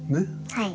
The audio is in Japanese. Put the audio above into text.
はい。